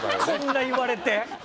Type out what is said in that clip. こんな言われて。